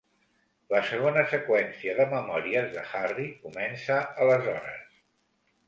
La segona seqüència de memòries de Harry comença aleshores.